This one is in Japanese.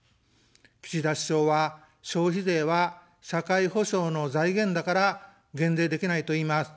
岸田首相は、「消費税は社会保障の財源だから減税できない」といいます。